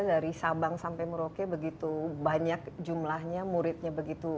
dari sabang sampai merauke begitu banyak jumlahnya muridnya begitu